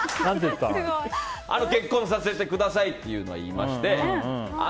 結婚させてくださいっていうのは言いまして。